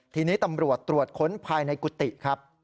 ทีนี้ตำรวจตรวจค้นภายในกุฏิครับ